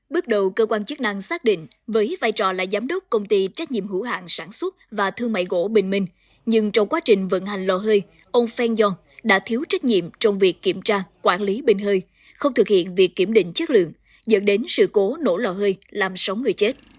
bước đầu cơ quan chức năng xác định với vai trò là giám đốc công ty trách nhiệm hữu hạng sản xuất và thương mại gỗ bình minh nhưng trong quá trình vận hành lò hơi ông feng yong đã thiếu trách nhiệm trong việc kiểm tra quản lý bình hơi không thực hiện việc kiểm định chất lượng dẫn đến sự cố nổ lò hơi làm sáu người chết